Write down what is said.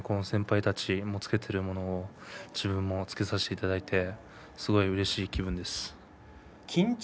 先輩たちがつけているものを自分もつけさせていただいてすごいうれしい気分です。